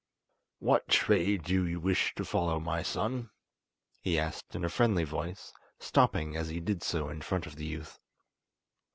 "What trade do you wish to follow, my son?" he asked in a friendly voice, stopping as he did so in front of the youth.